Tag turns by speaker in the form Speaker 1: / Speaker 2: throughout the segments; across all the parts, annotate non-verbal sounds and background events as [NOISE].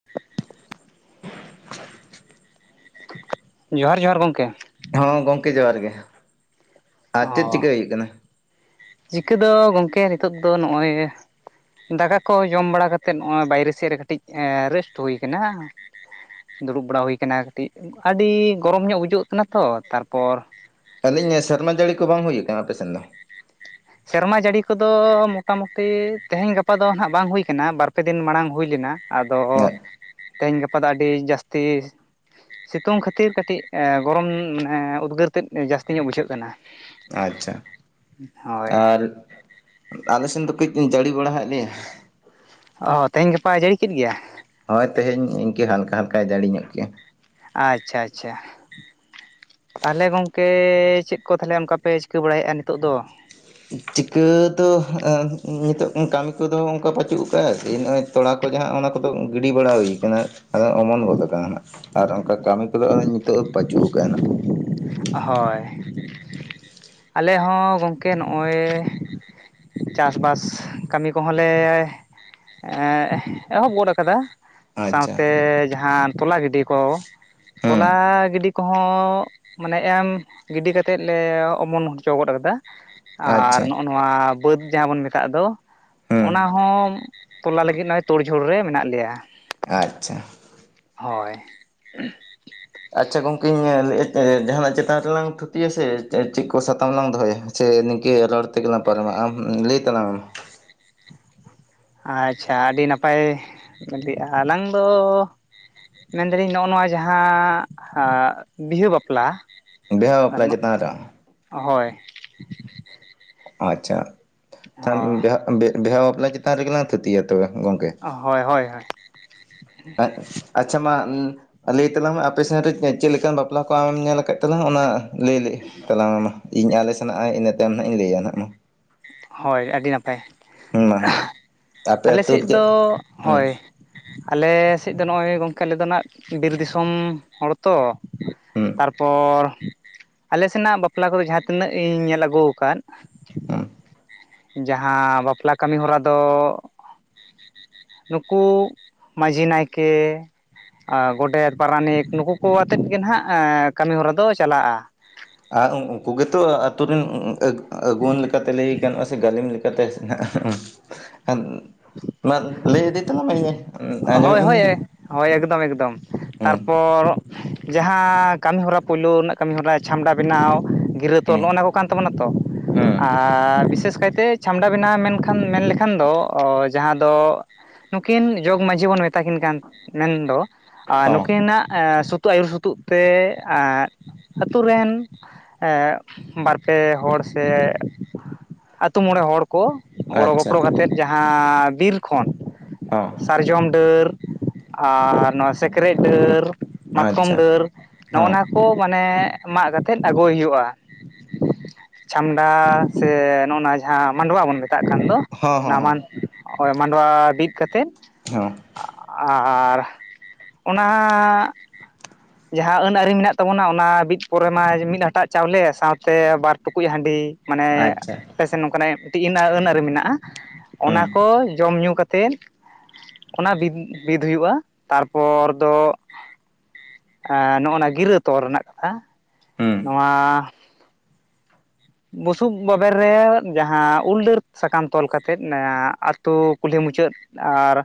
Speaker 1: [INAUDIBLE]
Speaker 2: [INAUDIBLE]
Speaker 1: ᱡᱚᱦᱟᱨ ᱡᱚᱦᱟᱨ ᱜᱚᱝᱠᱮ?
Speaker 2: ᱦᱚᱸᱜᱚᱝᱠᱮ ᱡᱚᱦᱟᱨ ᱜᱮ᱾ ᱟᱨ ᱪᱮᱫ
Speaker 1: ᱦᱚᱸ
Speaker 2: ᱪᱤᱠᱟᱹ ᱦᱩᱭᱩᱜ ᱠᱟᱱᱟ
Speaker 1: ᱪᱤᱠᱟᱹ ᱫᱚ ᱜᱚᱝᱠᱮ ᱱᱤᱛᱚᱜ ᱫᱚ ᱱᱚᱜᱼᱚᱭ ᱫᱟᱠᱟ ᱠᱚ ᱡᱚᱢ ᱵᱟᱲᱟ ᱠᱟᱛᱮᱮᱫ ᱱᱚᱜᱼᱚᱭ ᱵᱟᱭᱨᱮ ᱥᱮᱫ ᱨᱮ ᱠᱟᱹᱴᱤᱡ ᱨᱮᱥᱴ ᱦᱩᱭᱩ ᱾ᱠᱟᱱᱟ ᱫᱩᱲᱩᱵ ᱵᱟᱲᱟ ᱦᱩᱭᱠᱟᱱᱟ ᱠᱟᱹᱴᱤᱡ ᱟᱹᱰᱤ ᱜᱚᱨᱚᱢ ᱧᱚᱜ ᱵᱩᱡᱟᱹᱜ ᱠᱟᱱᱟ ᱛᱚ᱾ ᱛᱟᱨᱯᱚᱨ
Speaker 2: ᱟᱹᱞᱤᱧ ᱥᱮᱨᱢᱟ ᱡᱟᱹᱲᱤ ᱠᱚ ᱵᱟᱝ ᱦᱩᱭ ᱟᱠᱟᱱᱟ ᱟᱯᱮᱥᱮᱫ ᱫᱚ?
Speaker 1: ᱥᱮᱨᱢᱟ ᱡᱟᱹᱲᱤ ᱠᱚᱫᱚ ᱢᱚᱴᱟᱢᱩᱴᱤ ᱛᱮᱦᱮᱧ ᱜᱟᱯᱟ ᱫᱚ ᱱᱟᱦᱟᱜ ᱵᱟᱝ ᱦᱩᱭᱠᱟᱱᱟ ᱵᱟᱨᱯᱮ ᱫᱤᱱ ᱢᱟᱲᱟᱝ ᱦᱩᱭ ᱞᱮᱱᱟ᱾ ᱟᱫᱚ ᱛᱮᱦᱮᱧ ᱜᱟᱯᱟ ᱫᱚ ᱟᱹᱰᱤ ᱡᱟᱹᱥᱛᱤ ᱥᱤᱛᱩᱝ ᱠᱷᱟᱹᱛᱤᱨ ᱠᱟᱹᱴᱤᱡ ᱜᱚᱨᱚᱢ ᱢᱟᱱᱮ ᱩᱫᱽᱜᱟᱹᱨ ᱛᱮᱫ ᱡᱟᱹᱥᱛᱤ ᱧᱚᱜ ᱵᱩᱡᱷᱟᱹᱜ ᱠᱟᱱᱟ᱾
Speaker 2: ᱟᱪᱪᱷᱟ
Speaker 1: ᱦᱳᱭ
Speaker 2: ᱟᱨ ᱟᱞᱮ ᱥᱮᱱ ᱫᱚ ᱠᱟᱹᱡ ᱡᱟᱹᱲᱤ ᱵᱟᱲᱟᱟᱣᱮᱫ ᱞᱮᱭᱟ᱾
Speaker 1: ᱚᱻ ᱛᱮᱦᱮᱧ ᱜᱟᱯᱟ ᱡᱟᱹᱲᱤ ᱠᱮᱫ ᱜᱮᱭᱟ?
Speaker 2: ᱦᱳᱭᱚᱭ ᱛᱮᱦᱮᱧ ᱤᱱᱠᱤ ᱦᱟᱞᱠᱟ ᱦᱟᱞᱠᱟᱭ ᱡᱟᱲᱮ ᱧᱚᱜ ᱠᱮᱭᱟ᱾
Speaker 1: ᱟᱪᱪᱷᱟ ᱟᱪᱪᱷᱟ ᱛᱟᱦᱚᱞᱮ ᱜᱚᱝᱠᱮ ᱪᱮᱫ ᱠᱚ ᱛᱟᱦᱚᱞᱮ ᱚᱱᱠᱟᱯᱮ ᱪᱤᱠᱟᱹ ᱵᱟᱲᱟᱭᱮᱫᱼᱟ ᱱᱤᱛᱚᱜ ᱫᱚ?
Speaker 2: ᱪᱤᱠᱟᱹ ᱫᱚ ᱱᱤᱛᱚᱜ ᱠᱟᱹᱢᱤ ᱠᱚᱫᱚ ᱚᱱᱠᱟ ᱯᱟᱪᱩᱜ ᱠᱟᱜᱼᱟ, ᱡᱮ ᱱᱚᱜᱼᱚᱭ ᱛᱚᱲᱟ ᱠᱚ ᱫᱚ ᱦᱟᱸᱜ ᱚᱱᱟ ᱠᱚᱫᱚ ᱜᱤᱰᱤ ᱵᱟᱲᱟ ᱦᱩᱭ ᱟᱠᱟᱱᱟ ᱟᱫᱚ ᱚᱢᱚᱱ ᱜᱚᱫ ᱠᱟᱱᱟ ᱱᱟᱜ᱾ ᱟᱨ ᱚᱱᱠᱟ ᱠᱟᱹᱢᱤ ᱠᱚᱫᱚ ᱟᱫᱚ ᱱᱤᱛᱚᱜ ᱫᱚ ᱯᱟᱹᱪᱩᱜ ᱟᱠᱟᱜ-ᱟ ᱱᱟᱜ᱾
Speaker 1: ᱦᱚᱭ ᱟᱞᱮ ᱦᱚᱸ ᱜᱚᱢᱠᱮ ᱱᱚᱜᱼᱚᱭ᱾ ᱪᱟᱥᱵᱟᱥ ᱠᱟᱹᱢᱤ ᱠᱚᱦᱚᱸ ᱞᱮ ᱮᱦᱚᱵ ᱜᱚᱱ ᱠᱟᱫᱟ᱾
Speaker 2: ᱟᱪᱪᱷᱟ
Speaker 1: ᱥᱟᱶᱛᱮ ᱡᱟᱦᱟᱸ ᱛᱚᱞᱟ ᱜᱤᱰᱤ ᱠᱚ
Speaker 2: ᱦᱮᱸ
Speaker 1: ᱛᱚᱞᱟ ᱜᱤᱰᱤ ᱠᱚ ᱦᱚᱸ ᱢᱟᱱᱮ ᱮᱢ ᱜᱤᱰᱤ ᱠᱟᱛᱮᱫ ᱞᱮ ᱚᱢᱚᱱ ᱦᱚᱪᱚ ᱜᱚᱱ ᱠᱟᱫᱟ ᱟᱨ
Speaker 2: ᱟᱪᱪᱷᱟ
Speaker 1: ᱱᱚᱜ ᱱᱚᱣᱟ ᱵᱟᱹᱫᱽ ᱡᱟᱦᱟᱸ ᱵᱚᱱ ᱢᱮᱛᱟᱜ ᱫᱚ
Speaker 2: ᱦᱮᱸ
Speaker 1: ᱚᱱᱟ ᱦᱚᱸ ᱛᱚᱞᱟ ᱞᱟᱹᱜᱤᱫ ᱱᱚᱜᱼᱚᱭ ᱛᱩᱲ ᱡᱷᱩᱲ ᱨᱮ ᱢᱮᱱᱟᱜ ᱞᱮᱭᱟ᱾
Speaker 2: ᱟᱪᱪᱷᱟ᱾
Speaker 1: ᱦᱳᱭ᱾
Speaker 2: ᱟᱪᱪᱷᱟ ᱜᱚᱝᱠᱮᱧ ᱞᱟᱹᱭ ᱡᱟᱦᱟᱱᱟᱜ ᱪᱮᱛᱟᱱ ᱨᱮᱞᱟᱝ ᱛᱷᱩᱛᱤᱭᱟ ᱥᱮ ᱪᱮᱫ ᱠᱚ ᱥᱟᱛᱟᱢ ᱞᱟᱝ ᱫᱚᱦᱚᱭᱟ? ᱥᱮ ᱱᱤᱝᱠᱟ ᱨᱚᱲ ᱛᱮᱜᱮᱞᱟᱝ ᱯᱟᱨᱢᱟ ᱞᱤᱭ ᱛᱟᱞᱟᱝ ᱢᱮ ᱢᱟ᱾
Speaker 1: ᱟᱪᱪᱷᱟ ᱟᱹᱰᱤ ᱱᱟᱯᱟᱭ ᱞᱟᱹᱭᱮᱜᱼᱟ, ᱟᱞᱟᱝ ᱫᱚ ᱢᱮᱱᱫᱟᱞᱤᱧ ᱱᱚᱜᱼᱚ ᱱᱚᱣᱟ ᱡᱟᱦᱟᱸ ᱵᱤᱦᱟᱹ ᱵᱟᱯᱞᱟ᱾
Speaker 2: ᱵᱤᱦᱟᱹ ᱵᱟᱯᱞᱟ ᱪᱮᱛᱟᱱ‌ᱨᱮ?
Speaker 1: ᱦᱚᱭ᱾
Speaker 2: ᱟᱪᱪᱷᱟ ᱛᱟᱦᱟᱱ
Speaker 1: ᱦᱳᱭ
Speaker 2: ᱵᱟ ᱵᱤᱦᱟᱹ ᱵᱟᱯᱞᱟ ᱪᱮᱛᱟᱱ ᱨᱮᱜᱮᱞᱟᱝ ᱛᱷᱩᱛᱤᱭᱟ ᱛᱚᱵᱮ ᱜᱚᱝᱠᱮ᱾
Speaker 1: ᱦᱳᱭ ᱦᱳᱭ ᱦᱳᱭ᱾
Speaker 2: [UNINTELLIGIBLE] ᱟᱪᱪᱷᱟ ᱢᱟ ᱞᱟᱹᱭ ᱛᱟᱞᱟᱝ ᱢᱮ ᱟᱯᱮ ᱥᱮᱱ ᱨᱮ ᱪᱮᱫ ᱞᱮᱠᱟᱱ ᱵᱟᱯᱞᱟ ᱠᱚ ᱟᱢᱮᱢ ᱧᱮᱞ ᱟᱠᱟᱫ ᱛᱟᱞᱟᱝ ᱚᱱᱟ ᱞᱟᱹᱭ ᱞᱮ ᱛᱟᱞᱟᱝ ᱢᱮ ᱢᱟ ᱤᱧ ᱟᱞᱮ ᱥᱮᱱᱟᱜ ᱤᱱᱟᱹ ᱛᱟᱭᱚᱢ ᱱᱟᱦᱟᱜ ᱤᱧ ᱞᱟᱹᱭᱟ ᱱᱟᱜ ᱢᱟ᱾
Speaker 1: ᱦᱳᱭ ᱟᱹᱰᱤ ᱱᱟᱯᱟᱭ,
Speaker 2: ᱦᱮᱸ ᱢᱟ ᱟᱯᱮ
Speaker 1: ᱟᱞᱮ
Speaker 2: ᱟᱹᱛᱩ
Speaker 1: ᱥᱮᱫ
Speaker 2: ᱨᱮ ᱪᱮᱫ
Speaker 1: ᱫᱚ
Speaker 2: ᱦᱩᱸ
Speaker 1: ᱦᱳᱭ᱾ ᱟᱞᱮ ᱥᱮᱫ ᱫᱚ ᱱᱚᱜᱼᱚᱭ ᱜᱚᱝᱠᱮ ᱟᱞᱮ ᱫᱚ ᱟᱸᱜ ᱵᱤᱨ ᱫᱤᱥᱚᱢ ᱦᱚᱲ ᱛᱚ
Speaker 2: ᱦᱩᱸ
Speaker 1: ᱛᱟᱨᱯᱚᱨ᱾ ᱟᱞᱮ ᱥᱮᱱᱟᱜ ᱵᱟᱯᱞᱟ ᱠᱚᱨᱮ ᱡᱟᱦᱟᱸ ᱛᱤᱱᱟᱹᱜ ᱤᱧ ᱧᱮᱞ ᱟᱹᱜᱩ ᱟᱠᱟᱫ᱾
Speaker 2: ᱦᱩᱸ
Speaker 1: ᱡᱟᱦᱟᱸ ᱵᱟᱯᱞᱟ ᱠᱟᱹᱢᱤ ᱦᱚᱨᱟ ᱫᱚ ᱱᱩᱠᱩ ᱢᱟᱺᱡᱷᱤ ᱱᱟᱭᱠᱮ ᱜᱚᱰᱮᱛ ᱯᱟᱨᱟᱱᱤᱠ ᱱᱩᱠᱩ ᱠᱚ ᱟᱛᱮᱫ ᱜᱮ ᱱᱟᱦᱟᱜ ᱠᱟᱹᱢᱤ ᱦᱚᱨᱟ ᱫᱚ ᱪᱟᱞᱟᱜᱼᱟ᱾
Speaker 2: ᱟᱨ ᱩᱱᱠᱩ ᱜᱮᱛᱚ ᱟᱛᱳ ᱨᱮᱱ ᱟᱹ ᱟᱹᱜᱩᱣᱟᱹᱱ ᱞᱮᱠᱟᱛᱮ ᱞᱟᱹᱭ ᱜᱟᱱᱚᱜᱼᱟ, ᱥᱮ ᱜᱟᱹᱞᱤᱢ ᱞᱮᱠᱟᱛᱮ [UNINTELLIGIBLE] ᱱᱚᱣᱟ ᱞᱟᱹᱭ ᱤᱫᱤ ᱛᱟᱞᱟᱝ ᱢᱮ᱾
Speaker 1: ᱦᱳᱭ
Speaker 2: ᱟᱸᱡᱚᱢᱮᱫ ᱟᱹᱧ
Speaker 1: ᱦᱳᱭ ᱦᱳᱭ, ᱮᱠᱫᱚᱢ ᱮᱠᱫᱚᱢ
Speaker 2: ᱦᱩᱸ
Speaker 1: ᱛᱟᱨᱯᱚᱨ ᱡᱟᱦᱟᱸ ᱠᱟᱹᱢᱤ ᱦᱚᱨᱟ ᱯᱳᱭᱞᱳ ᱨᱮᱱᱟᱜ ᱠᱟᱹᱢᱤ ᱦᱚᱨᱟ ᱪᱷᱟᱢᱰᱟ ᱵᱮᱱᱟᱣ ᱜᱤᱨᱟᱹ ᱛᱚᱞ
Speaker 2: ᱦᱩᱸ
Speaker 1: ᱱᱚᱜᱼᱚ ᱱᱚᱣᱟ ᱠᱚ ᱠᱟᱱ ᱛᱟᱵᱚᱱᱟ ᱛᱚ?
Speaker 2: ᱦᱩᱸ
Speaker 1: ᱟᱨ ᱵᱤᱥᱮᱥ ᱠᱟᱭ ᱛᱮ ᱪᱷᱟᱢᱰᱟ ᱵᱮᱱᱟᱣ ᱢᱮᱱᱠᱷᱟᱱ ᱢᱮᱱ ᱞᱮᱠᱷᱟᱱ ᱫᱚ ᱡᱟᱦᱟᱸ ᱫᱚ ᱱᱩᱠᱤᱱ ᱡᱚᱜᱽ ᱢᱟᱺᱡᱷᱤ ᱵᱚᱱ ᱢᱮᱛᱟ ᱠᱤᱱ ᱠᱟᱱ ᱢᱮᱱᱫᱚ ᱟᱨ
Speaker 2: ᱦᱚᱸ
Speaker 1: ᱱᱩᱠᱤ ᱱᱟᱜ ᱥᱩᱛᱩᱜ ᱟᱹᱭᱩᱨ ᱥᱩᱛᱩᱜ ᱛᱮ ᱟᱛᱩ ᱨᱮᱱ ᱮ ᱵᱟᱨ ᱯᱮ ᱦᱚᱲ ᱥᱮ ᱟᱛᱳ ᱢᱚᱬᱮ ᱦᱚᱲ᱾ ᱠᱚ ᱜᱚᱲᱚ ᱜᱚᱯᱚᱲᱚ
Speaker 2: ᱟᱪᱪᱷᱟ
Speaker 1: ᱠᱟᱛᱮ ᱡᱟᱦᱟᱸ ᱵᱤᱨ ᱠᱷᱚᱱ
Speaker 2: ᱦᱚᱸ
Speaker 1: ᱥᱟᱨᱡᱚᱢ ᱰᱟᱹᱨ ᱟᱨ ᱱᱚᱣᱟ ᱥᱮᱠᱨᱮᱡ ᱰᱟᱹᱨ᱾ ᱢᱟᱛᱠᱚᱢ
Speaker 2: ᱟᱪᱪᱷᱟ
Speaker 1: ᱰᱟᱹᱨ
Speaker 2: ᱦᱚᱸ
Speaker 1: ᱱᱚᱜᱼᱱᱟ ᱠᱚ ᱢᱟᱱᱮ ᱢᱟᱜ ᱠᱟᱛᱮᱫ ᱟᱹᱜᱩᱭ ᱦᱩᱭᱩᱜᱼᱟ᱾ ᱪᱷᱟᱢᱰᱟ ᱥᱮ ᱱᱚᱜᱼᱱᱚᱣᱟ ᱡᱟᱦᱟᱸ ᱢᱟᱰᱣᱟ ᱵᱚᱱ ᱢᱮᱛᱟᱜ ᱠᱟᱱ ᱫᱚ
Speaker 2: ᱦᱚᱸ ᱦᱚᱸ ᱦᱚᱸ
Speaker 1: ᱱᱟᱣᱟᱱ ᱚ ᱢᱟᱸᱰᱣᱟ ᱵᱤᱫ ᱠᱟᱛᱮ
Speaker 2: ᱦᱚᱸ᱾
Speaker 1: ᱟ ᱟᱨ ᱚᱱᱟ ᱡᱟᱦᱟᱸ ᱟᱹᱱ ᱟᱹᱨᱤ ᱢᱮᱱᱟᱜ ᱛᱟᱵᱚᱱᱟ ᱚᱱᱟ ᱵᱤᱫ ᱯᱚᱨᱮ ᱢᱟ ᱢᱤᱫ ᱦᱟᱴᱟᱜ ᱪᱟᱣᱞᱮ ᱥᱟᱶᱛᱮ ᱵᱟᱨ ᱴᱩᱠᱩᱡ ᱦᱟᱺᱰᱤ᱾ ᱢᱟᱱᱮ
Speaker 2: ᱟᱪᱪᱷᱟ
Speaker 1: ᱟᱯᱮ ᱥᱮᱱ ᱱᱚᱝᱠᱟᱱᱟᱜ ᱛᱤᱦᱤᱱᱟ ᱟᱹᱱ ᱟᱹᱱ ᱟᱹᱨᱤ ᱢᱮᱱᱟᱜ-ᱟ ᱚᱱᱟ
Speaker 2: ᱦᱩᱸ
Speaker 1: ᱠᱚ ᱡᱚᱢ ᱧᱩ ᱠᱟᱛᱮ ᱚᱱᱟ ᱵᱤᱫ, ᱵᱤᱫ ᱦᱩᱭᱩᱜ-ᱟ ᱛᱟᱨᱯᱚᱨ ᱫᱚ ᱮᱸ ᱱᱚᱜ-ᱚᱱᱟ ᱜᱤᱨᱟᱹ ᱛᱚᱞ ᱨᱮᱱᱟᱜ ᱠᱟᱛᱷᱟ
Speaker 2: ᱦᱩᱸ
Speaker 1: ᱱᱚᱣᱟ ᱵᱩᱥᱩᱵ ᱵᱟᱵᱮᱨ ᱨᱮ ᱡᱟᱦᱟᱸ ᱩᱞ ᱰᱟᱹᱨ ᱥᱟᱠᱟᱢ ᱛᱚᱞ ᱠᱟᱛᱮᱫ ᱮᱸ ᱟᱹᱛᱩ ᱠᱩᱞᱦᱤ ᱢᱩᱪᱟᱹᱫ ᱟᱨ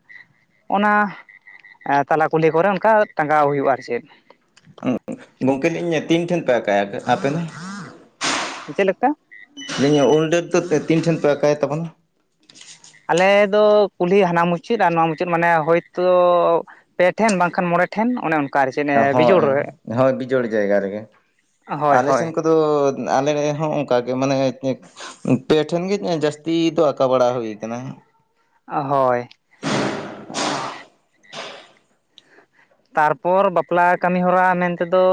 Speaker 1: ᱚᱱᱟ ᱛᱟᱞᱟ ᱠᱩᱞᱦᱤ ᱠᱚᱨᱮ ᱚᱱᱠᱟ ᱴᱟᱸᱜᱟᱣ ᱦᱩᱭᱩᱜ-ᱟ ᱟᱨ ᱪᱮᱫ᱾
Speaker 2: ᱜᱚᱝᱠᱮ ᱞᱟᱹᱭᱮᱜ ᱤᱧ ᱛᱤᱱ ᱴᱷᱮᱱ ᱯᱮ ᱟᱠᱟᱭᱟ ᱦᱟᱯᱮᱱ?
Speaker 1: ᱪᱮᱫ ᱞᱮᱠᱟ?
Speaker 2: ᱢᱮᱱᱮᱜ ᱤᱧ ᱩᱞ ᱰᱟᱹᱨ ᱫᱚ ᱛᱤᱱ ᱴᱷᱮᱱ ᱯᱮ ᱟᱠᱟᱭ ᱛᱟᱵᱚᱱᱟ?
Speaker 1: ᱟᱞᱮ ᱫᱚ ᱠᱩᱞᱦᱤ ᱦᱟᱱᱟ ᱢᱩᱪᱟᱹᱫ ᱟᱨ ᱱᱚᱣᱟ ᱢᱩᱪᱟᱹᱫ ᱢᱟᱱᱮ ᱦᱳᱭᱛᱚ ᱯᱮ ᱴᱷᱮᱱ ᱵᱟᱝᱠᱷᱟᱱ ᱢᱚᱬᱮ ᱴᱷᱮᱱ ᱚᱱᱮ ᱚᱱ
Speaker 2: ᱦᱳᱭ, ᱦᱳᱭ ᱵᱤᱡᱳᱲ ᱡᱟᱭᱜᱟ ᱨᱮᱜᱮ
Speaker 1: ᱦᱳᱭ
Speaker 2: ᱟᱞᱮ
Speaker 1: ᱦᱳᱭ
Speaker 2: ᱥᱮᱱ ᱠᱚ ᱟᱫᱚ ᱟᱞᱮ ᱦᱚᱸ ᱚᱱᱠᱟ ᱜᱮ ᱢᱟᱱᱮ ᱯᱮ ᱴᱷᱮᱱ ᱜᱮ ᱡᱟᱹᱥᱛᱤ ᱫᱚ ᱟᱠᱟ ᱵᱟᱲᱟ ᱦᱩᱭ ᱠᱟᱱᱟ᱾
Speaker 1: ᱦᱳᱭ, ᱚ᱾ ᱛᱟᱨᱯᱚᱨ ᱵᱟᱯᱞᱟ ᱠᱟᱹᱢᱤ ᱦᱚᱨᱟ ᱢᱮᱱᱛᱮ ᱫᱚ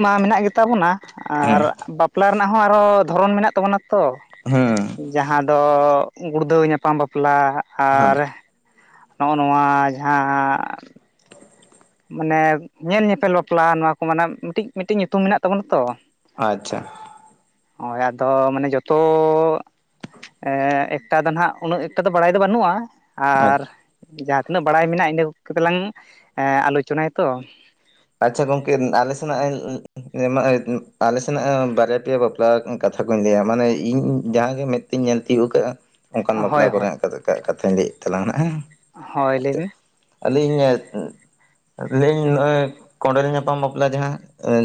Speaker 1: ᱢᱟ ᱢᱮᱱᱟᱜ ᱜᱮᱛᱟ ᱵᱚᱱᱟ ᱟᱨ
Speaker 2: ᱦᱮᱸ
Speaker 1: ᱵᱟᱯ ᱵᱟᱯᱞᱟ ᱨᱮᱱᱟᱜ ᱦᱚᱸ ᱟᱨᱚ ᱫᱷᱚᱨᱚᱱ ᱢᱮᱱᱟᱜ ᱛᱟᱵᱚᱱᱟ ᱛᱚ᱾
Speaker 2: ᱦᱮᱸ
Speaker 1: ᱡᱟᱦᱟᱸ ᱫᱚ ᱜᱩᱲᱫᱟᱹᱣ ᱧᱟᱯᱟᱢ ᱵᱟᱯᱞᱟ
Speaker 2: ᱦᱮᱸ
Speaker 1: ᱟᱨ ᱱᱚᱜ-ᱚ ᱱᱚᱣᱟ ᱡᱟᱦᱟᱸ ᱢᱟᱱᱮ ᱧᱮᱞ ᱧᱮᱯᱮᱞ ᱵᱟᱯᱞᱟ ᱱᱚᱣᱟ ᱠᱚ ᱢᱟᱱᱮ ᱢᱤᱴᱤᱡ ᱢᱤᱴᱤᱡ ᱧᱩᱛᱩᱢ ᱢᱮᱱᱟᱜ ᱛᱟᱵᱚᱱᱟ ᱛᱚ᱾
Speaker 2: ᱟᱪᱪᱷᱟ᱾
Speaker 1: ᱟ ᱚᱲᱟᱜ ᱫᱚ ᱢᱟᱱᱮ ᱡᱚᱛᱚ ᱮᱸ, ᱮᱠᱴᱟ ᱫᱚ ᱱᱟᱦᱟ ᱩᱱᱟᱹᱜ ᱮᱠᱴᱟ ᱫᱚ ᱵᱟᱲᱟᱭ ᱫᱚ ᱵᱟᱹᱱᱩᱜ-ᱟ ᱟᱨ ᱡᱟᱦᱟᱸ ᱛᱤᱱᱟᱹᱜ ᱵᱟᱲᱟᱭ ᱢᱮᱱᱟᱜ-ᱟ ᱤᱱᱟᱹ ᱠᱚᱜᱮ ᱛᱚᱞᱟᱝ ᱮᱸ ᱟᱞᱳᱪᱚᱱᱟᱭᱟ ᱛᱚ᱾
Speaker 2: ᱟᱪᱪᱷᱟ ᱜᱚᱝᱠᱮ ᱟᱞᱮ ᱥᱮᱱᱟᱜ ᱮᱞ [UNINTELLIGIBLE] ᱟᱞᱮ ᱥᱮᱱᱟᱜ ᱵᱟᱨᱭᱟ ᱯᱮᱭᱟ ᱵᱟᱯᱞᱟ ᱠᱟᱛᱷᱟ ᱠᱩᱧ ᱞᱟᱹᱭᱟ ᱢᱟᱱᱮ ᱤᱧ ᱡᱟᱦᱟᱸ ᱜᱮ ᱢᱮᱫ ᱛᱤᱧ ᱧᱮᱞ ᱛᱤᱭᱳᱜ ᱠᱟᱜ-ᱟ ᱚᱱᱠᱟᱱ
Speaker 1: ᱦᱳᱭ
Speaker 2: ᱵᱟᱯᱞᱟ ᱠᱚ
Speaker 1: ᱦᱳᱭ
Speaker 2: ᱨᱮᱱᱟᱜ ᱠᱟ ᱠᱟᱛᱷᱟᱧ ᱞᱟᱹᱭ ᱮᱫ ᱛᱟᱞᱟᱝ-ᱟ ᱦᱮᱸ᱾
Speaker 1: ᱦᱳᱭ ᱞᱟᱹᱭ ᱵᱤᱱ᱾
Speaker 2: ᱟᱹᱞᱤᱧ ᱞᱟᱹᱭᱤᱧ ᱱᱚᱜ-ᱚᱭ ᱠᱚᱸᱰᱮᱞ ᱧᱟᱯᱟᱢ ᱵᱟᱯᱞᱟ ᱡᱟᱦᱟᱸ ᱮᱸ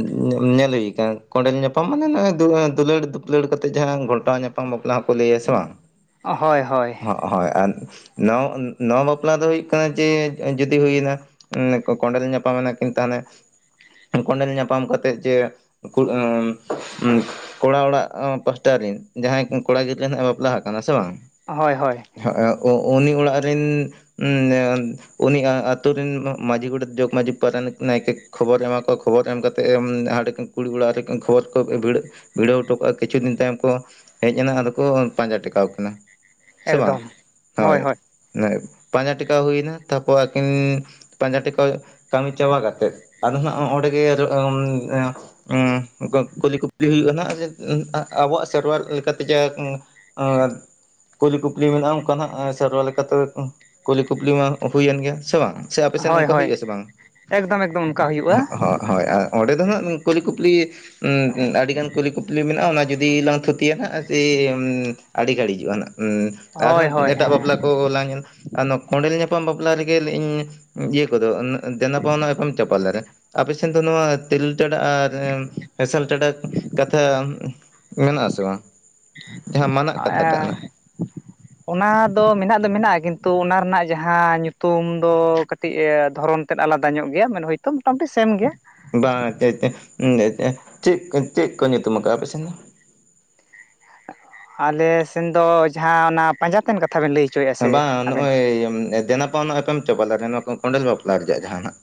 Speaker 2: ᱧᱮᱞ ᱦᱩᱭ ᱠᱟᱱᱟ᱾ ᱠᱚᱸᱰᱮᱞ ᱧᱟᱯᱟᱢ ᱢᱟᱱᱮ ᱱᱚᱜ-ᱚᱭ ᱫᱩ ᱫᱩᱞᱟᱹᱲ ᱫᱩᱯᱞᱟᱹᱲ ᱠᱟᱛᱮᱫ ᱡᱟᱦᱟᱸ ᱜᱷᱚᱞᱴᱟᱣ ᱧᱟᱯᱟᱢ ᱯᱟᱢ ᱵᱟᱯᱞᱟ ᱦᱚᱸ ᱠᱚ ᱞᱟᱹᱭᱟ ᱥᱮ ᱵᱟᱝ?
Speaker 1: ᱦᱳᱭ ᱦᱳᱭ᱾
Speaker 2: ᱦᱳᱭ ᱟᱨ ᱱᱚ, ᱱᱚᱣᱟ ᱵᱟᱯᱞᱟ ᱫᱚ ᱦᱩᱭᱩᱜ ᱠᱟᱱᱟ ᱡᱮ ᱡᱩᱫᱤ ᱦᱩᱭᱮᱱᱟ᱾ ᱩᱸ ᱠᱚᱸᱰᱮᱞ ᱧᱟᱯᱟᱢᱮᱱᱟ ᱠᱤᱱ ᱛᱟᱦᱞᱮ ᱠᱚᱸᱰᱮᱞ ᱧᱟᱯᱟᱢ ᱠᱟᱛᱮᱫ ᱡᱮ [UNINTELLIGIBLE] ᱠᱚᱲᱟ ᱚᱲᱟᱜ ᱯᱟᱥᱴᱟ ᱨᱤᱱ ᱡᱟᱦᱟᱸᱭ ᱠᱚᱲᱟ ᱜᱤᱫᱽᱨᱟᱹ ᱱᱟᱜ-ᱮ ᱵᱟᱯᱞᱟ ᱦᱟᱠᱟᱱᱟ ᱥᱮ ᱵᱟᱝ?
Speaker 1: ᱦᱳᱭ ᱦᱳᱭ᱾
Speaker 2: ᱦᱚᱸᱜ-ᱚ ᱩ, ᱩᱱᱤ ᱚᱲᱟᱜ ᱨᱤᱱ ᱩᱸ, ᱩᱱᱤ ᱟᱛᱳ ᱨᱮᱱ ᱢᱟᱹᱡᱷᱤ ᱜᱚᱰᱮᱛ, ᱡᱚᱜᱽ ᱢᱟᱹᱡᱷᱤ, ᱯᱟᱨᱟᱱᱤᱠ ᱱᱟᱭᱠᱮ ᱠᱷᱚᱵᱚᱨ ᱮᱢᱟ ᱠᱚᱣᱟ ᱠᱷᱚᱵᱚᱨ ᱮᱢ ᱠᱟᱛᱮᱫ ᱦᱟᱸᱰᱮ ᱠᱩᱲᱤ ᱚᱲᱟᱜ ᱨᱮ ᱠᱷᱚᱵᱚᱨ ᱠᱚ ᱵᱷᱤᱲᱟᱹᱜ ᱵᱷᱤᱲᱟᱹᱣ ᱦᱚᱴᱚ ᱠᱟᱜ-ᱟ ᱠᱤᱪᱷᱩ ᱫᱤᱱ ᱛᱟᱭᱚᱢ ᱠᱚ ᱦᱮᱡ ᱮᱱᱟ ᱟᱫᱚ ᱠᱚ ᱯᱟᱸᱡᱟ ᱴᱮᱠᱟᱣ ᱠᱤᱱᱟᱹ᱾ ᱥᱮ ᱵᱟᱝ?
Speaker 1: ᱮᱠᱫᱚᱢ
Speaker 2: ᱦᱳᱭ᱾ ᱯᱟᱸᱡᱟ ᱴᱮᱠᱟᱣ ᱦᱩᱭᱱᱟ ᱛᱟᱯᱚᱨ ᱟᱹᱠᱤᱱ ᱯᱟᱸᱡᱟ ᱴᱮᱠᱟᱣ ᱠᱟᱹᱢᱤ ᱪᱟᱵᱟ ᱠᱟ ᱟᱫᱚ ᱦᱟᱸᱜ ᱚᱸᱰᱮ ᱜᱮ ᱩᱸ [INAUDIBLE] ᱠᱩᱞᱤ ᱠᱩᱯᱞᱤ ᱦᱩᱭᱩᱜᱼᱟ ᱟᱵᱚᱣᱟᱜ ᱥᱮᱨᱣᱟ ᱞᱮᱠᱟᱛᱮ ᱡᱟ ᱟᱨ ᱠᱩᱞᱤ ᱠᱩᱯᱞᱤ ᱢᱮᱱᱟᱜᱼᱟ ᱚᱱᱠᱟᱱᱟᱜ ᱥᱮᱨᱣᱟ ᱞᱮᱠᱟ ᱛᱮᱜᱮ ᱛᱚ ᱠᱩᱞᱤ ᱠᱩᱯᱞᱤ ᱢᱟ ᱦᱩᱭᱮᱱ ᱜᱮᱭᱟ ᱥᱮ ᱵᱟᱝ ᱥᱮ ᱟᱯᱮ ᱥᱮᱱ
Speaker 1: ᱦᱳᱭ
Speaker 2: ᱚᱱᱠᱟ
Speaker 1: ᱦᱳᱭ
Speaker 2: ᱦᱩᱭᱩᱜᱼᱟ ᱥᱮ ᱵᱟᱝ?
Speaker 1: ᱮᱠᱫᱚᱢ ᱮᱠᱫᱚᱢ ᱚᱱᱠᱟ ᱦᱩᱭᱩᱜᱼᱟ
Speaker 2: [UNINTELLIGIBLE] ᱦᱳᱭ ᱟᱨ ᱚᱸᱰᱮ ᱫᱚ ᱦᱟᱸᱜ ᱠᱩᱞᱤ ᱠᱩᱯᱞᱤ ᱟᱹᱰᱤᱜᱟᱱ ᱠᱚᱞᱤ ᱠᱩᱯᱞᱤ ᱢᱮᱱᱟᱜᱼᱟ ᱚᱱᱟ ᱡᱩᱫᱤ ᱞᱟᱝ ᱛᱷᱩᱛᱤᱭᱟ ᱦᱟᱸᱜ ᱥᱮ ᱟᱹᱰᱤ ᱜᱷᱟᱹᱲᱤᱡᱚᱜᱼᱟ ᱦᱟᱸᱜ
Speaker 1: ᱦᱳᱭ
Speaker 2: ᱟᱨᱦᱚᱸ
Speaker 1: ᱦᱳᱭ
Speaker 2: ᱮᱴᱟᱜ ᱵᱟᱯᱞᱟ
Speaker 1: ᱦᱮᱸ
Speaker 2: ᱠᱚᱞᱟᱝ ᱧᱮᱞ ᱟᱨ ᱚᱱᱟ ᱠᱚᱸᱰᱮᱞ ᱧᱟᱯᱟᱢ ᱵᱟᱯᱞᱟ ᱨᱮᱜᱮ ᱤᱧ ᱤᱭᱟᱹ ᱠᱚᱫᱚ ᱫᱮᱱᱟᱯᱟᱣᱱᱟ ᱮᱠᱷᱚᱱ ᱪᱟᱯᱟᱞ ᱫᱟᱨᱮ ᱟᱯᱮ ᱥᱮᱱ ᱫᱚ ᱱᱚᱣᱟ ᱛᱮᱨᱮᱞ ᱴᱮᱰᱟ ᱟᱨ ᱦᱮᱸᱥᱟᱞ ᱪᱟᱰᱟ ᱠᱟᱛᱷᱟ ᱢᱮᱱᱟᱜ ᱟᱥᱮ ᱵᱟᱝ ᱡᱟᱦᱟᱸ ᱢᱟᱱᱟᱜ
Speaker 1: ᱮ
Speaker 2: ᱠᱟᱛᱷᱟ ᱴᱟᱜ ᱱᱟᱜ
Speaker 1: ᱚᱱᱟ ᱫᱚ ᱢᱮᱱᱟᱜ ᱫᱚ ᱢᱮᱱᱟᱜᱼᱟ ᱠᱤᱱᱛᱩ ᱚᱱᱟ ᱨᱮᱱᱟᱜ ᱡᱟᱦᱟᱸ ᱧᱩᱛᱩᱢ ᱫᱚ ᱠᱟᱹᱴᱤᱡ ᱫᱷᱚᱨᱚᱱ ᱛᱮᱫ ᱟᱞᱟᱫᱟ ᱧᱚᱜ ᱜᱮᱭᱟ ᱢᱮᱱ ᱦᱳᱭᱛᱳ ᱢᱳᱚᱴᱟᱢᱩᱴᱤ ᱥᱮᱢ ᱜᱮᱭᱟ
Speaker 2: ᱵᱟᱝ [UNINTELLIGIBLE] ᱪᱮᱫ ᱪᱮᱫ ᱠᱚ ᱧᱩᱛᱩᱢ ᱟᱠᱟᱜᱼᱟ ᱟᱯᱮ ᱥᱮᱱ ᱫᱚ?
Speaker 1: ᱟᱞᱮ ᱥᱮᱱ ᱫᱚ ᱡᱟᱦᱟᱸ ᱚᱱᱟ ᱯᱟᱸᱡᱟᱛᱮᱱ ᱠᱟᱛᱷᱟ ᱵᱮᱱ ᱞᱟᱹᱭ ᱦᱚᱪᱚᱭᱮᱫᱼᱟ ᱥᱮ ᱟᱵᱮᱱ?
Speaker 2: ᱮᱭ ᱫᱮᱱᱟ [UNINTELLIGIBLE] ᱪᱟᱵᱟ ᱞᱟᱜᱮ ᱱᱚᱣᱟ ᱠᱚ ᱠᱚᱸᱰᱮᱞ ᱵᱟᱯᱞᱟ ᱨᱮᱭᱟᱜᱼᱟ ᱡᱟᱦᱟᱱᱟᱜ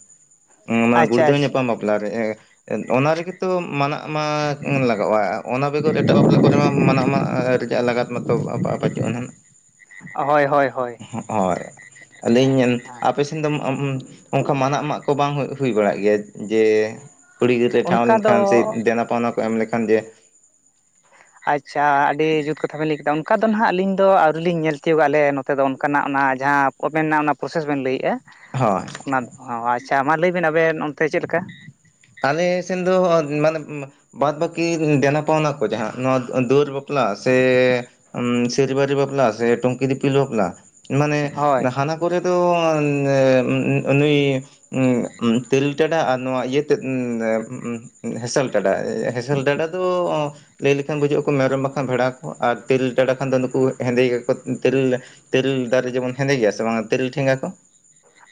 Speaker 2: ᱢᱟᱱᱮ
Speaker 1: ᱟᱪᱪᱷᱟ
Speaker 2: ᱜᱩᱲᱫᱟᱹᱣ
Speaker 1: ᱟᱪᱪᱷᱟ
Speaker 2: ᱧᱟᱯᱟᱢ ᱵᱟᱯᱞᱟ ᱨᱮᱭᱟᱜ ᱚᱱᱟ ᱨᱮᱜᱮ ᱛᱚ ᱢᱟᱱᱟᱜ ᱢᱟ ᱞᱟᱜᱟᱜᱼᱟ ᱚᱱᱟ ᱵᱮᱜᱚᱨ ᱮᱴᱟᱜ ᱵᱟᱯᱞᱟ ᱠᱚᱨᱮ ᱢᱟ ᱢᱟᱱᱟᱜ ᱢᱟ ᱨᱮᱭᱟᱜ ᱞᱟᱜᱟᱛ ᱚᱱᱟ ᱛᱚ ᱯᱟᱹᱪᱩᱜᱼᱟ
Speaker 1: ᱦᱳᱭ ᱦᱳᱭ ᱦᱳᱭ
Speaker 2: ᱦᱳᱭ ᱟᱹᱞᱤᱧ ᱟᱯᱮ ᱠᱷᱟᱱ ᱫᱚ ᱚᱱᱠᱟ ᱢᱟᱱᱟᱜ ᱢᱟᱜ ᱠᱚ ᱵᱟᱝ ᱦᱩᱭ ᱵᱟᱲᱟᱜ ᱜᱮᱭᱟ ᱡᱮ ᱠᱩᱲᱤ ᱜᱤᱫᱽᱨᱟᱹᱭ ᱴᱷᱟᱶ
Speaker 1: ᱚᱱᱠᱟ ᱫᱚ
Speaker 2: ᱞᱮᱱᱠᱷᱟᱱ ᱥᱮ ᱫᱮᱱᱟ ᱯᱟᱣᱱᱟ ᱠᱚ ᱮᱢ ᱞᱮᱠᱷᱟᱱ ᱡᱮ
Speaker 1: ᱟᱪᱷᱟ ᱟᱹᱰᱤ ᱡᱩᱛ ᱠᱟᱛᱷᱟ ᱵᱮᱤᱱ ᱞᱟᱹᱭ ᱠᱮᱫᱟ ᱚᱱᱠᱟ ᱫᱚ ᱱᱟᱦᱟᱜ ᱟᱹᱞᱤᱧ ᱫᱚ ᱟᱹᱣᱨᱤ ᱞᱤᱧ ᱧᱮᱞ ᱛᱤᱭᱳᱜᱟ ᱟᱞᱮ ᱱᱚᱛᱮ ᱫᱚ ᱚᱱᱠᱟᱱᱟᱜ ᱚᱱᱟ ᱡᱟᱦᱟᱸ ᱟᱵᱮᱱ ᱨᱮᱱᱟᱜ ᱚᱱᱟ ᱯᱨᱚᱥᱮᱥ ᱵᱮᱱ ᱞᱟᱹᱭᱮᱫᱼᱟ
Speaker 2: ᱦᱳᱭ
Speaker 1: ᱚᱱᱟ ᱚ ᱟᱪᱷᱟ ᱢᱟ ᱞᱟᱹᱭᱵᱱ ᱟᱵᱮᱱ ᱚᱱᱛᱮ ᱪᱮᱫ ᱞᱮᱠᱟ?
Speaker 2: ᱟᱞᱮ ᱥᱮᱱ ᱫᱚ ᱢᱟᱱᱮ ᱵᱟᱫ ᱵᱟᱹᱠᱤ ᱫᱮᱱᱟ ᱯᱟᱣᱱᱟ ᱠᱚ ᱡᱟᱦᱟᱸ ᱱᱚᱣᱟ ᱫᱩᱣᱟᱹᱨ ᱵᱟᱯᱞᱟ ᱥᱮ ᱥᱮᱤᱨᱤᱵᱟᱨᱤ ᱵᱟᱯᱞᱟ ᱥᱮ ᱴᱩᱢᱠᱤ ᱫᱤᱯᱤᱞ ᱵᱟᱯᱞᱟ ᱢᱟᱱᱮ
Speaker 1: ᱦᱳᱭ
Speaker 2: ᱦᱟᱱᱟᱠ ᱠᱚᱨᱮ ᱫᱚ ᱱᱩᱭ ᱛᱮᱨᱮᱞ ᱴᱮᱰᱟ ᱟᱨ ᱱᱚᱣᱟ ᱤᱭᱟᱹ ᱛᱮᱫ ᱮᱸᱦᱮᱸᱥᱮᱞ ᱴᱮᱰᱟ ᱦᱮᱸᱥᱮᱞ ᱴᱮᱰᱟ ᱫᱚ ᱞᱟᱹᱭ ᱞᱮᱠᱷᱟᱱ ᱵᱩᱡᱷᱩᱜ ᱟᱠᱚ ᱢᱮᱨᱚᱢ ᱵᱟᱠᱷᱟᱱ ᱵᱷᱮᱲᱟ ᱟᱠᱚ ᱟᱨ ᱛᱮᱨᱮᱞ ᱢᱮᱰᱟ ᱠᱷᱟᱱ ᱫᱚ ᱱᱩᱠᱩ ᱦᱮᱸᱫᱮ ᱜᱮᱠᱚ ᱛᱤᱞ ᱛᱮᱨᱮᱞ ᱫᱟᱨᱮ ᱡᱮᱢᱚᱱ ᱦᱮᱸᱫᱮ ᱜᱮᱭᱟ ᱥᱮ ᱵᱟᱝᱟ ᱛᱮᱨᱮᱞ ᱴᱷᱮᱸᱜᱟ ᱠᱚ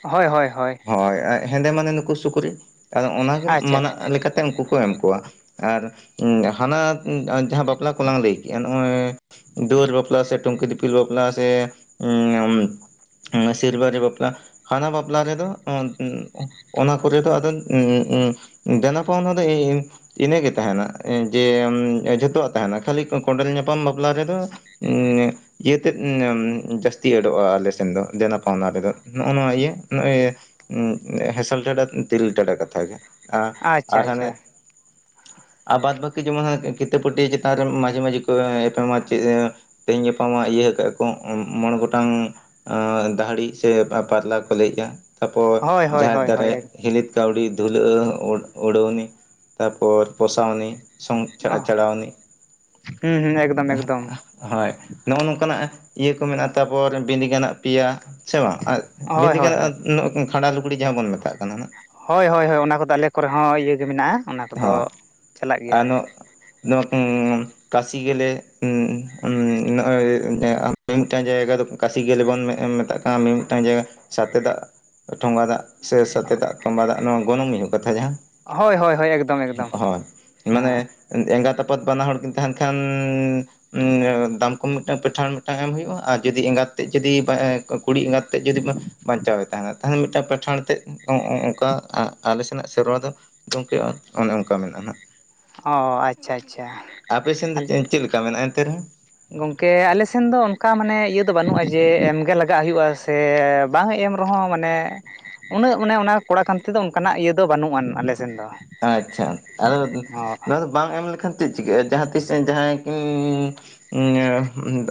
Speaker 1: ᱦᱳᱭ ᱦᱳᱭ ᱦᱳᱭ
Speaker 2: ᱦᱳᱭ ᱦᱮᱸᱫᱮ ᱢᱟᱱᱮ ᱱᱩᱠᱩ ᱥᱩᱠᱨᱤ ᱟᱫᱚ ᱚᱱᱟᱜᱮ
Speaker 1: ᱟᱪᱪᱷᱟ
Speaker 2: ᱢᱟᱱᱟ
Speaker 1: ᱟᱪᱪᱷᱟ
Speaker 2: ᱞᱮᱠᱟᱛᱮ ᱩᱱᱠᱩ ᱠᱚ ᱮᱢ ᱠᱚᱣᱟ ᱟᱨ ᱦᱟᱱᱟ ᱡᱟᱦᱟᱸ ᱵᱟᱯᱞᱟ ᱠᱚᱞᱟᱝ ᱞᱟᱹᱭ ᱠᱮᱫᱼᱟ ᱫᱩᱣᱟᱹᱨ ᱵᱟᱯᱞᱟ ᱥᱮ ᱴᱩᱝᱠᱤ ᱫᱤᱯᱤᱞ ᱵᱟᱯᱞᱟ ᱥᱮ ᱦᱩᱸ ᱥᱤᱞᱵᱟᱨᱤ ᱵᱟᱯᱞᱟ ᱦᱟᱱᱟ ᱵᱟᱯᱞᱟ ᱨᱮᱫᱚ ᱚᱱᱟ ᱠᱚᱨᱮ ᱫᱚ ᱟᱫᱚ ᱩ ᱩ ᱫᱮᱱᱟ ᱯᱟᱣᱱᱟ ᱫᱚ ᱤᱧ-ᱤᱧ ᱤᱱᱟᱹᱜᱮ ᱛᱟᱦᱮᱱᱟ ᱡᱮ ᱡᱷᱚᱛᱚᱣᱟᱜ ᱛᱟᱦᱮᱱᱟ ᱠᱷᱟᱹᱞᱤ ᱠᱚᱸᱰᱮᱞ ᱧᱟᱯᱟᱢ ᱵᱟᱯᱞᱟ ᱨᱮᱫᱚ ᱩᱸᱜ ᱡᱤᱭᱟᱹᱛ ᱛᱮᱫ ᱡᱟᱹᱥᱛᱤ ᱮᱰᱚᱜᱼᱟ ᱟᱞᱮ ᱥᱮᱱ ᱫᱚ ᱫᱮᱱᱟ ᱯᱟᱣᱱᱟ ᱨᱮᱫᱚ ᱱᱚᱜᱼᱚ ᱱᱚᱣᱟ ᱤᱭᱟᱹ ᱱᱚᱜᱼᱚᱭ ᱦᱮᱸᱥᱮᱞ ᱴᱮᱰᱟ ᱛᱤᱨᱤᱞ ᱴᱟᱰᱟ ᱠᱟᱛᱷᱟ ᱜᱮ ᱟ-
Speaker 1: ᱟᱪᱪᱷᱟ
Speaker 2: ᱟᱨ ᱦᱟᱱᱮ
Speaker 1: ᱟᱪᱪᱷᱟ
Speaker 2: ᱟᱨ ᱵᱟᱫ ᱵᱟᱹᱠᱤ ᱡᱮᱢᱚᱱ ᱠᱤᱛᱟᱹ ᱯᱟᱹᱴᱭᱟᱹ ᱪᱮᱛᱟᱱ ᱨᱮ ᱢᱟᱡᱷᱮ ᱢᱟᱡᱷᱤ ᱠᱚ ᱮᱯᱮᱢᱟ ᱪᱮᱫ ᱛᱮᱦᱤᱧ ᱜᱟᱯᱟ ᱢᱟ ᱤᱭᱟᱹ ᱠᱟᱜᱼᱟ ᱠᱚ ᱢᱚᱬᱮ ᱜᱚᱴᱟᱝ ᱟᱸ ᱫᱟᱦᱲᱤ ᱥᱮ ᱯᱟᱨᱞᱟ ᱠᱚ ᱞᱟᱹᱭ ᱮᱜᱼᱟ ᱛᱟᱨᱯᱚᱨ
Speaker 1: ᱦᱳᱭ ᱦᱳᱭ
Speaker 2: ᱡᱟᱦᱮᱨ
Speaker 1: ᱦᱳᱭ ᱦᱳᱭ
Speaker 2: ᱫᱟᱨᱮ ᱦᱤᱞᱤᱫ ᱠᱟ. ᱣᱰᱤ ᱫᱷᱩᱞᱟᱹ ᱩᱰ-ᱚᱲᱹᱟᱣᱱᱤ ᱛᱟᱯᱚᱨ ᱯᱚᱥᱟᱣᱱᱤ᱾ ᱥᱚᱝ ᱪᱟ ᱟᱪᱟᱲᱟᱣᱱᱤ᱾
Speaker 1: ᱦᱩᱸ ᱦᱩᱸ ᱮᱠᱫᱚᱢ ᱮᱠᱫᱚᱢ
Speaker 2: ᱦᱳᱭ ᱱᱚᱜᱼᱚ ᱱᱚᱝᱠᱟᱱᱟᱜ ᱤᱭᱟᱹ ᱠᱚ ᱢᱮᱱᱟᱜᱼᱟ, ᱛᱟᱨᱯᱚᱨ ᱵᱤᱫᱤᱜᱟᱱᱟᱜ ᱯᱮᱭᱟ᱾ ᱥᱮ ᱵᱟᱝ ᱟᱨ
Speaker 1: ᱦᱳᱭ ᱦᱳᱭ ᱦᱳᱭ
Speaker 2: ᱵᱤᱰᱤᱜᱟᱱᱟᱜ ᱠᱟᱱᱟ ᱠᱷᱟᱸᱰᱟ ᱞᱩᱜᱽᱲᱤᱡ ᱡᱟᱦᱟᱸ ᱵᱚᱱ ᱢᱮᱛᱟᱜ ᱠᱟᱱᱟ ᱱᱟᱜ᱾
Speaker 1: ᱦᱳᱭ ᱦᱳᱭ ᱦᱳᱭ, ᱚᱱᱟ ᱠᱚᱫᱚ ᱟᱞᱮ ᱠᱚᱨᱮ ᱦᱚᱸ ᱤᱭᱟᱹ ᱜᱮ ᱢᱮᱱᱟᱜᱼᱟ᱾ ᱚᱱᱟ
Speaker 2: ᱦᱳᱭ
Speaker 1: ᱠᱚᱫᱚ ᱪᱟᱞᱟᱜ ᱜᱮᱭᱟ
Speaker 2: ᱟᱨ ᱱᱚᱜ-ᱱᱚᱣᱟ ᱠᱚ ᱠᱟᱥᱤ ᱜᱮᱞᱮ ᱱᱚᱜ-ᱚᱭ ᱢᱤᱫᱴᱟᱱ ᱡᱟᱭᱜᱟ ᱫᱚ [UNINTELLIGIBLE] ᱠᱟᱥᱤ ᱜᱮᱞᱮ ᱵᱚᱱ ᱢᱮᱜ-ᱢᱮᱛᱟᱜ ᱠᱟᱱᱟ ᱢᱤᱼᱢᱤᱫᱴᱟᱝ ᱡᱟᱭᱜᱟ ᱥᱟᱛᱮ ᱫᱟᱜ ᱴᱷᱚᱸᱜᱟ ᱫᱟᱜ᱾ ᱥᱮ ᱥᱟᱛᱮᱫᱟᱜ ᱛᱟᱢᱵᱟ ᱫᱟᱜ ᱱᱚᱣᱟ ᱜᱚᱱᱚᱝ ᱢᱤᱦᱩ ᱠᱟᱛᱷᱟ ᱡᱟᱦᱟᱸ᱾
Speaker 1: ᱦᱳᱭ ᱦᱳᱭ ᱦᱳᱭ, ᱮᱠ
Speaker 2: ᱦᱳᱭ ᱢᱟᱱᱮ ᱮᱸᱜᱟᱛ ᱟᱯᱟᱛ ᱵᱟᱱᱟ ᱦᱚᱲ ᱠᱤᱱ ᱛᱟᱦᱮᱱ ᱠᱷᱟᱱ ᱫᱟᱢᱠᱚᱢ ᱢᱤᱫᱴᱟᱝ ᱯᱤᱴᱷᱟᱲ ᱢᱤᱫᱴᱟᱝ ᱮᱢ ᱦᱳᱭᱳᱜᱼᱟ, ᱟᱨ ᱡᱩᱫᱤ ᱮᱸᱜᱟᱛ ᱛᱮᱫ ᱡᱩᱫᱤ ᱠᱩᱲᱤ ᱮᱸᱜᱟᱛ ᱛᱮᱫ ᱡᱩᱫᱤ ᱵᱟᱧᱪᱟᱣᱮ ᱛᱟᱦᱮᱱᱟ ᱛᱟᱦᱚᱞᱮ ᱢᱤᱫᱴᱟᱝ ᱯᱮᱴᱷᱟᱲ ᱛᱮᱫ ᱚᱜ-ᱚᱜᱠᱟ ᱟ-ᱟᱞᱮ ᱥᱮᱱᱟᱜ ᱥᱮᱨᱚᱣᱟ ᱫᱚ ᱜᱚᱝᱠᱮ ᱟ ᱚᱱᱮ ᱚᱱᱠᱟ ᱢᱮᱱᱟᱜᱼᱟ ᱱᱟᱦᱟᱜ᱾
Speaker 1: ᱚ ᱟᱪᱪᱷᱟ ᱟᱪᱪᱷᱟ᱾
Speaker 2: ᱟᱯᱮ ᱥᱮᱱ ᱫᱚ ᱪᱮ-ᱪᱮᱫ ᱞᱮᱠᱟ ᱢᱮᱱᱟᱜᱼᱟ ᱮᱱᱛᱮ ᱨᱮᱦᱚᱸ?
Speaker 1: ᱜᱚᱝᱠᱮ ᱟᱞᱮᱥᱮᱱ ᱫᱚ ᱚᱱᱠᱟ ᱢᱟᱱᱮ ᱤᱭᱟᱹ ᱫᱚ ᱵᱟᱹᱱᱩᱜᱼᱟ ᱡᱮ ᱮᱢᱜᱮ ᱞᱟᱜᱟᱜ ᱦᱩᱭᱩᱜᱼᱟ᱾ ᱥᱮ ᱵᱟᱝ ᱮᱢ ᱨᱮᱦᱚᱸ ᱢᱟᱱᱮ ᱩᱱᱟᱹᱜ ᱚᱱᱮ ᱠᱚᱲᱟ ᱠᱟᱱ ᱛᱮ ᱫᱚ ᱚᱱᱠᱟᱱᱟᱜ ᱤᱭᱟᱹ ᱫᱚ ᱵᱟᱹᱱᱩᱜ-ᱟ ᱟᱞᱮ ᱥᱮᱱ ᱫᱚ᱾
Speaker 2: ᱟᱪᱪᱷᱟ ᱟᱞᱮ
Speaker 1: ᱦᱳᱭ
Speaker 2: ᱱᱚᱣᱟ ᱫᱚ ᱵᱟᱝ ᱮᱢ ᱞᱮᱠᱷᱟᱱ ᱪᱮᱫ ᱪᱤᱠᱟᱹᱜᱼᱟ ᱡᱟᱦᱟᱸ ᱛᱤᱥ ᱡᱟᱦᱟᱸᱭ ᱠᱩ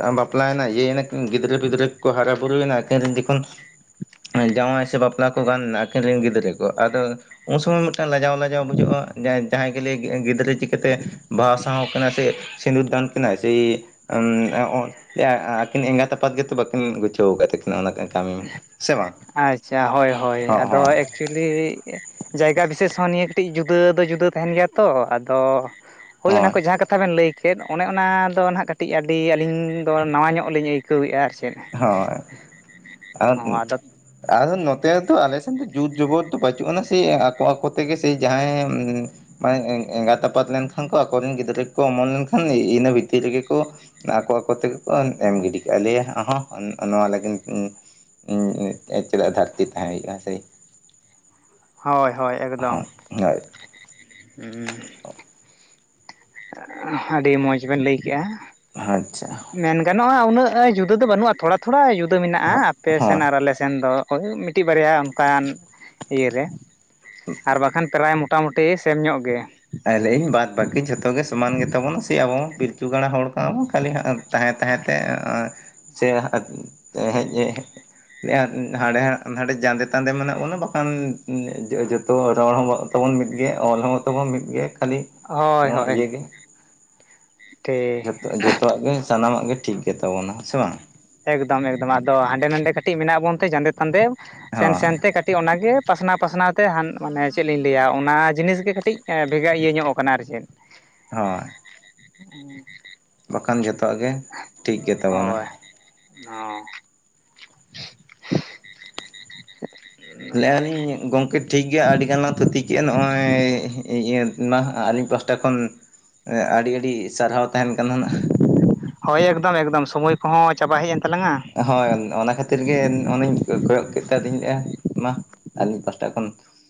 Speaker 2: ᱟᱵᱟᱯ [UNINTELLIGIBLE] ᱵᱟᱯᱞᱟᱭᱮᱱᱟ ᱤᱭᱟᱹᱭ ᱱᱟ. ᱠᱤᱱ ᱜᱤᱫᱽᱨᱟᱹ ᱯᱤᱫᱽᱨᱟᱹ ᱠᱚ ᱠᱚ ᱦᱟᱨᱟ ᱵᱩᱨᱩᱭᱮᱱᱟ ᱟᱹᱠᱤᱱ ᱨᱮᱱ ᱡᱚᱠᱷᱚᱱ ᱡᱟᱶᱟᱭ ᱥᱮ ᱵᱟᱯᱞᱟ ᱠᱚ ᱜᱟᱱ ᱮᱱᱟ ᱟᱹᱠᱤᱱ ᱨᱮᱱ ᱜᱤᱫᱽᱨᱟᱹ ᱠᱚ ᱟᱫᱚ ᱩᱱ ᱥᱚᱢᱚᱭ ᱢᱤᱫᱴᱟᱝ ᱞᱟᱡᱟᱣ ᱞᱟ ᱡᱟᱣ ᱵᱩᱡᱷᱟᱹᱜᱼᱟ ᱡᱟ ᱡᱟᱦᱟᱸᱭ ᱜᱮ ᱞᱟ. ᱭ ᱠᱮ ᱜᱤᱫᱽᱨᱟᱹ ᱪᱤᱠᱟᱹᱛᱮ ᱵᱟᱦᱟᱥᱟᱣ ᱠᱤᱱᱟ ᱥᱮ ᱥᱤᱸᱫᱩᱨ ᱫᱟᱱ ᱠᱤᱱ ᱥᱮ [UNINTELLIGIBLE] ᱟᱹᱠᱤᱱ ᱮᱸᱜᱟᱛ ᱟᱯᱟᱛ ᱜᱮᱛᱚ ᱵᱟᱹᱠᱤᱱ ᱜᱩᱪᱷᱟᱹᱣ ᱟᱠᱟᱫ ᱛᱟᱹᱠᱤᱱ᱾ ᱱᱚᱜ ᱱᱚᱝᱠᱟᱱ ᱠᱟᱹᱢᱤ᱾ ᱢᱟ ᱥᱮ ᱵᱟᱝ
Speaker 1: ᱟᱪᱪᱷᱟ ᱦᱳᱭ ᱦᱳᱭ
Speaker 2: ᱦᱚᱸ
Speaker 1: ᱟᱫᱚ
Speaker 2: ᱦᱳᱭ
Speaker 1: ᱮᱠᱪᱩᱭᱮᱞᱤ ᱡᱟᱭᱜᱟ ᱵᱤᱥᱮᱥ ᱦᱚᱸ ᱱᱤᱭᱟᱹ ᱠᱟᱹᱴᱤᱡ ᱡᱩᱫᱟᱹ ᱫᱚ ᱡᱩᱫᱟᱹ ᱛᱟᱦᱮᱱ ᱜᱮᱭᱟ ᱛᱚ ᱟᱫᱚ ᱦᱳᱭ ᱚᱱᱟ ᱠᱚ ᱡᱟᱦᱟᱸ ᱠᱟᱛᱷᱟ ᱵᱮᱱ ᱞᱟᱹᱭ ᱠᱮᱫ ᱚᱱᱮ ᱚᱱᱟᱫᱚ ᱱᱟᱦᱟᱜ ᱠᱟᱹᱴᱤᱡ ᱟᱹᱰᱤ ᱟᱹᱞᱤᱧᱫᱚ ᱱᱟᱣᱟ ᱧᱚᱜ ᱞᱤᱧ ᱟᱹᱭᱠᱟᱹᱣᱮᱫᱼᱟ ᱟᱨ ᱪᱮᱫ᱿
Speaker 2: ᱦᱳᱭ ᱟᱨ
Speaker 1: ᱦᱚᱸ ᱟᱫᱚ
Speaker 2: ᱟᱫᱚ ᱱᱚᱛᱮ ᱦᱚᱛᱚ ᱟᱞᱮ ᱥᱮᱱ ᱫᱚ ᱡᱩᱛ ᱡᱚᱵᱚᱛ ᱫᱚ ᱵᱟᱹᱪᱩᱜ ᱟᱱᱟ ᱥᱮ ᱟᱠᱚ ᱟᱠᱚ ᱛᱮᱜᱮ ᱥᱮ ᱡᱟᱦᱟᱸᱭ ᱢᱟᱱᱮ ᱮ-ᱮᱸᱜᱟᱛ ᱟᱯᱟᱛ ᱞᱮᱱᱠᱷᱟᱱ ᱠᱚ ᱟᱠᱚᱨᱮᱱ ᱜᱤᱫᱽᱨᱟᱹ ᱠᱚ ᱚᱢᱚᱱ ᱞᱮᱱᱠᱷᱟᱱ ᱤᱱᱟᱹ ᱵᱷᱤᱛᱤᱨ ᱨᱮᱜᱮ ᱠᱚ ᱟᱠᱚ ᱟᱠᱚ ᱛᱮᱜᱮ ᱠᱚ ᱮᱢ ᱜᱤᱰᱤ ᱠᱟᱜᱼᱟ ᱞᱟ. ᱭᱟ ᱚᱦᱚᱜ ᱱᱚᱣᱟ ᱞᱟᱹᱜᱤᱫ [UNINTELLIGIBLE] ᱪᱮᱫᱟᱜ ᱜᱷᱟᱹᱴᱛᱤ ᱛᱟᱦᱮᱸ ᱦᱩᱭᱩᱜᱼᱟ ᱥᱮ
Speaker 1: ᱦᱳᱭ ᱦᱳᱭ ᱮᱠᱫᱚᱢ
Speaker 2: ᱦᱚᱸ ᱦᱳᱭ [UNINTELLIGIBLE]
Speaker 1: ᱟᱹᱰᱤ ᱢᱚᱸᱡᱽ ᱵᱮᱱ ᱞᱟᱹᱭ ᱠᱮᱜᱼᱟᱰ᱾
Speaker 2: ᱟᱪᱪᱷᱟ
Speaker 1: ᱢᱮᱱ ᱜᱟᱱᱚᱜᱼᱟ ᱩᱱᱟᱹᱜ ᱡᱩᱫᱟᱹ ᱫᱚ ᱵᱟᱹᱱᱩᱜᱼᱟ ᱛᱷᱚᱲᱟ ᱛᱷᱚᱲᱟ ᱡᱩᱫᱟᱹ ᱢᱮᱱᱟᱜᱼᱟ
Speaker 2: ᱦᱳᱭ
Speaker 1: ᱟᱯᱮᱥᱮᱱ ᱟᱨ ᱟᱞᱮᱥᱮᱱ ᱫᱚ᱾ ᱦᱚᱭ ᱢᱤᱫᱴᱤᱜ ᱵᱟᱨᱭᱟ ᱚᱱᱠᱟᱱ ᱤᱭᱟᱹᱨᱮ ᱟᱨ ᱵᱟᱠᱷᱟᱱ ᱯᱨᱟᱭ, ᱢᱚᱴᱟᱢᱩᱴᱤ ᱥᱮᱢ ᱧᱚᱜ ᱜᱮ,
Speaker 2: ᱟᱞᱟᱹᱭᱤᱧ ᱵᱟᱫᱽ ᱵᱟᱹᱠᱤ ᱡᱷᱚᱛᱚ ᱜᱮ ᱥᱚᱢᱟᱱ ᱜᱮᱛᱟᱵᱚᱱᱟ ᱥᱮ ᱟᱵᱚ ᱯᱤᱞᱪᱩ ᱜᱟᱲᱟ ᱦᱚᱲ ᱠᱟᱱᱟ ᱵᱚᱱ ᱠᱷᱟᱹᱞᱤ ᱦᱟᱸᱜ, ᱛᱟᱦᱮᱸ ᱛᱟᱦᱮᱸ ᱛᱮ ᱥᱮ ᱦᱟᱸᱜ ᱦᱮᱸᱜᱻᱦᱮᱸᱜ ᱦᱟᱸᱰᱮ ᱦᱟᱸᱰᱮ ᱡᱟᱸᱫᱮ ᱛᱟᱸᱫᱮ ᱢᱮᱱᱟᱜ ᱵᱚᱱᱟ ᱵᱟᱠᱷᱟᱱ ᱡᱚᱻᱡᱚᱛᱚ ᱨᱚᱲ ᱦᱚᱸ, ᱛᱟᱵᱚᱱ ᱢᱤᱫᱜᱮ ᱚᱞ ᱦᱚᱸ ᱛᱵᱚᱱ ᱢᱤᱫ, ᱜᱮ ᱠᱷᱟᱹᱞᱤ
Speaker 1: ᱦᱳᱭ
Speaker 2: ᱱᱚᱣᱟ
Speaker 1: ᱦᱳᱭ
Speaker 2: ᱤᱭᱟᱹ ᱜᱮ‌
Speaker 1: ᱴᱷᱤᱠ
Speaker 2: ᱡᱷᱚᱛᱚ ᱡᱷᱚᱛᱚᱣᱟᱜ, ᱜᱮ ᱥᱟᱱᱟᱢᱟᱜ ᱜᱮ ᱴᱷᱤᱠ ᱜᱮᱛᱟᱵᱚᱱᱟ ᱥᱮ ᱵᱟᱝ᱾
Speaker 1: ᱮᱠᱫᱚᱢ ᱮᱠᱫᱚᱢ ᱟᱫᱚ ᱦᱟᱸᱰᱮ ᱱᱟᱰᱮ ᱠᱟᱹᱴᱤᱜ ᱢᱮᱱᱟᱜ ᱵᱚᱱ ᱛᱮ ᱡᱟᱸᱫᱮ ᱛᱟᱱᱫᱮ ᱥᱮᱱ
Speaker 2: ᱦᱳᱭ
Speaker 1: ᱥᱮᱱᱛᱮ ᱠᱟᱹ ᱴᱤᱜ ᱚᱱᱟᱜᱮ ᱯᱟᱥᱱᱟᱣ ᱯᱟᱥᱱᱟᱣ ᱛᱮ ᱦᱟᱱ ᱢᱟᱱᱮ ᱪᱮᱫ ᱞᱤᱧ ᱞᱟᱹᱭᱟ ᱚᱱᱟ ᱡᱤᱱᱤᱥ ᱜᱮ ᱠᱟᱹᱴᱤᱜ ᱵᱷᱮᱜᱟᱨ ᱤᱭᱟᱹ ᱧᱚᱜ ᱠᱟᱱᱟ ᱟᱨ ᱪᱮᱫ᱾ [INAUDIBLE]
Speaker 2: ᱦᱳᱭ,
Speaker 1: [INAUDIBLE]
Speaker 2: ᱵᱟᱠᱷᱟᱱ ᱡᱷᱚᱛᱚᱟᱜ ᱜᱮ ᱴᱷᱤᱠ ᱜᱮᱛᱟᱵᱚᱱᱟ᱾
Speaker 1: ᱚᱸ
Speaker 2: ᱞᱟᱹᱭ ᱟᱞᱤᱧ ᱜᱚᱝᱠᱮ ᱴᱷᱤᱠ ᱜᱮᱭᱟ ᱟᱹᱰᱤ ᱜᱟᱱ ᱞᱟᱝ ᱛᱷᱩᱛᱤ ᱠᱮᱫᱼᱟ ᱱᱚᱜᱼᱚᱭ ᱤᱭᱟᱹ ᱢᱟ ᱟᱹᱞᱤᱧ ᱯᱟᱥᱴᱟ, ᱴᱟ ᱠᱷᱚᱱ ᱟᱹᱰᱤ ᱟᱹᱰᱤ ᱥᱟᱨᱦᱟᱣ ᱛᱟᱦᱮᱱ ᱠᱟᱱ ᱦᱟᱱᱟ᱾
Speaker 1: ᱦᱳᱭ ᱮᱠᱫᱚᱢ ᱮᱠᱫᱚᱢ ᱥᱚᱢᱚᱭ ᱠᱚᱦᱚᱸ ᱪᱟᱵᱟ ᱦᱮᱜ ᱮᱱ ᱛᱟᱞᱟᱝᱟ᱾
Speaker 2: ᱦᱳᱭ ᱚᱱᱟ ᱠᱷᱟᱹᱛᱤᱨ ᱜᱮ ᱚᱱᱮᱧ ᱠᱚᱭᱚᱜ ᱠᱮᱫᱛᱮ ᱟᱫᱚᱧ ᱤᱧᱼᱟ ᱢᱟ ᱟᱹᱞᱤᱧ ᱯᱟᱥᱴᱟ ᱠᱷᱚᱱ,